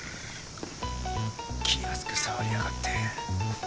気安く触りやがって。